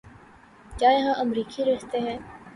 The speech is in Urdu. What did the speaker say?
کیا یہاں امریکی رہتے ہیں؟